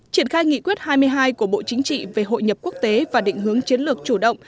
triển khai nghị quyết hai mươi hai của bộ chính trị về hội nhập quốc tế và định hướng chiến lược chủ động